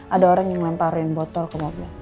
ada orang yang melemparin botol ke mobil